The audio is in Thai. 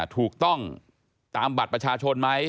ถูกต้องตามบัตรประชาชนไหม